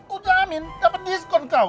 udah amin dapet diskon kau